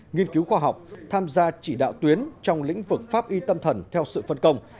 nghiên cứu khoa học tham gia chỉ đạo tuyến trong lĩnh vực pháp y tâm thần theo sự phân công